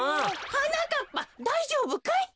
はなかっぱだいじょうぶかい？